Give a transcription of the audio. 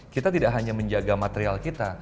kita tidak hanya menjaga material kita